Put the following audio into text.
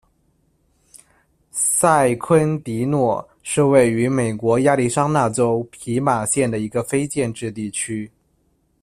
塞昆迪诺是位于美国亚利桑那州皮马县的一个非建制地区。